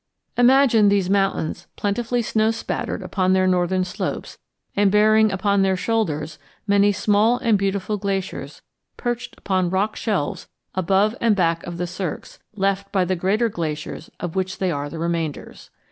Imagine these mountains plentifully snow spattered upon their northern slopes and bearing upon their shoulders many small and beautiful glaciers perched upon rock shelves above and back of the cirques left by the greater glaciers of which they are the remainders.